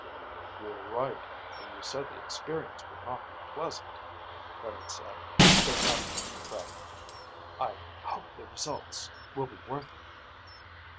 "You were right when you said the experience would not be pleasant," Bennett said, still battling for breath. "I hope the results will be worth it."